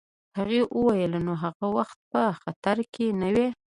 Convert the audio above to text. هغې وویل: نو هغه وخت په خطره کي نه وې؟